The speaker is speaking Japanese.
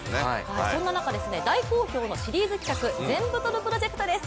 そんな中、大好評のシリーズ企画ぜんぶ撮るプロジェクトです。